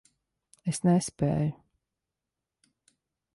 Es nespēju.